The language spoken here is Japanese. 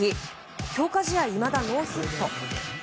強化試合、いまだノーヒット。